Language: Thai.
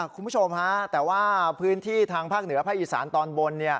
คุณผู้ชมฮะแต่ว่าพื้นที่ทางภาคเหนือภาคอีสานตอนบน